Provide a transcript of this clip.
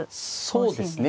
そうですね。